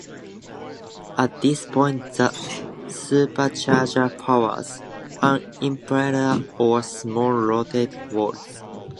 At this point, the supercharger powers an impeller - or small rotating wheel.